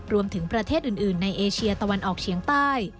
รวมถึงประเทศอื่นในเอเชียตะวันออกเฉียงใต้